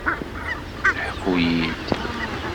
Ḥku-yi-d!